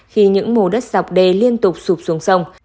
khi những mùa đất dọc đê liên tục sụp xuống sông